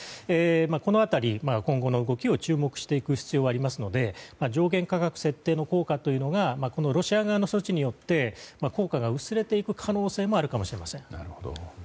この辺り、今後の動きに注目していく必要がありますので上限価格設定の効果がロシア側の措置によって効果が薄れていく可能性もあるかもしれません。